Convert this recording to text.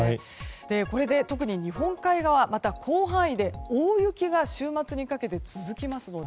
これで、特に日本海側はまた広範囲で大雪が週末にかけて続きますので